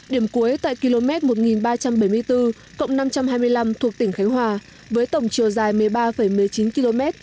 điểm cuối tại km một nghìn ba trăm bảy mươi bốn năm trăm hai mươi năm thuộc tỉnh khánh hòa với tổng chiều dài một mươi ba một mươi chín km